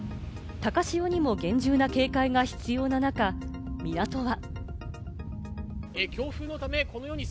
高潮にも厳重な警戒が必要な中、港は。